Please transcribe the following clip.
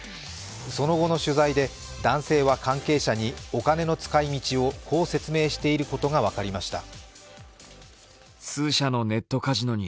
その後の取材で、男性は関係者にお金の使い道をこう説明していることが分かりました。